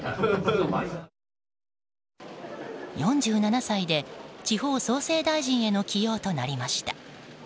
４７歳で地方創生大臣への起用となりました。